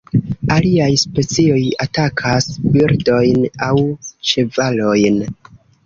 Aliaj specioj atakas birdojn aŭ ĉevalojn.